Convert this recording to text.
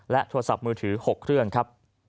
โทรศัพท์มือถือ๖เครื่องครับ